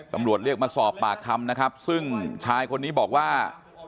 ตำรวจเรียกมาสอบปากคำนะครับซึ่งชายคนนี้บอกว่า